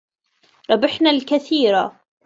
ربحنا الكثير.